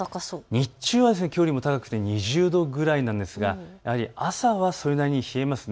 日中きょうより高くて２０度ぐらいですが朝はそれなりに冷えます。